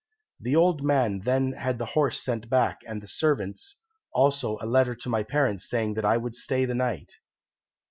"The old man then had the horse sent back and the servants, also a letter to my parents saying that I would stay the night.